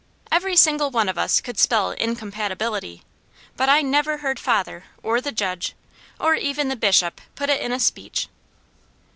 Every single one of us could spell incompatibility, but I never heard father, or the judge, or even the Bishop, put it in a speech.